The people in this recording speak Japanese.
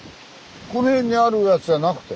この辺にあるやつじゃなくて？